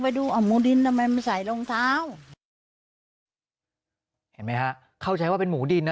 ไปดูอ่ะหมูดินทำไมไม่ใส่รองเท้าเข้าใจว่าเป็นหมูดินนะ